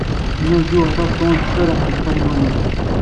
Nna Lǧuheṛ Tabetṛunt tserreḥ deg talmanit.